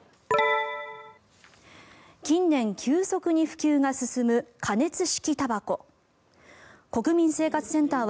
近年急速に普及が進む加熱式